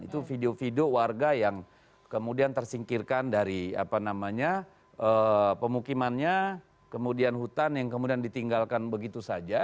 itu video video warga yang kemudian tersingkirkan dari apa namanya pemukimannya kemudian hutan yang kemudian ditinggalkan begitu saja